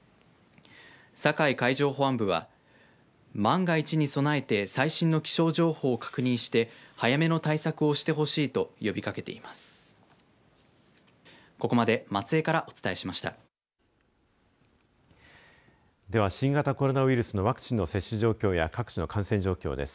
境海上保安部は万が一に備えて最新の気象情報を確認して早めの対策をしてほしいと呼びかけています。